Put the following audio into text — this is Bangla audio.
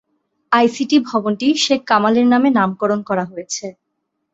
আইসিটি ভবনটি শেখ কামালের নামে নামকরণ করা হয়েছে।